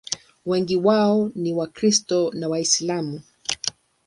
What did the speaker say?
Wengi wao ni Wakristo na Waislamu.